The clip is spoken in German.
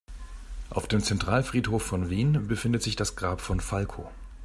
Auf dem Zentralfriedhof von Wien befindet sich das Grab von Falco.